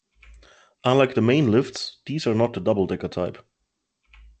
Unlike the main lifts, these are not the double-decker type.